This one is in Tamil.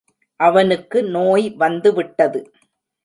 அவனுக்கு நோய் வந்துவிட்டது.